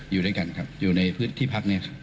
อยู่ด้วยกันครับอยู่ในพืชที่พักนี้ครับ